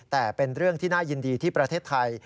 แต่เป็นเรื่องที่น่ายินดีที่ประเทศไทย